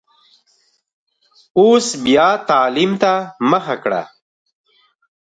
اوس بیا تعلیم ته مخه کړه.